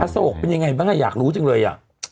โศกเป็นยังไงบ้างอยากรู้จังเลย